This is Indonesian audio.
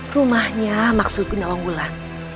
rumahnya maksudku nawangulan